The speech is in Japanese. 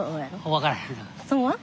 分からへん。